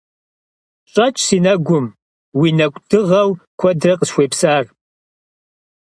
Щӏэтщ си нэгум уи нэкӏу дыгъэу куэдрэ къысхуепсар.